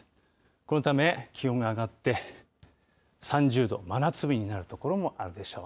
このため、気温が上がって３０度、真夏日になる所もあるでしょう。